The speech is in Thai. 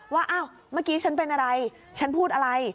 ว่าอ้าวเมื่อกี้ฉันเป็นอะไรฉันพูดอะไร